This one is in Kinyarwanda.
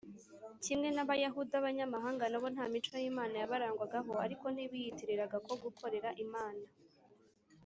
kimwe n’abayahudi, abanyamahanga na bo nta mico y’imana yabarangwagaho, ariko ntibiyitiriraga ko gukorera imana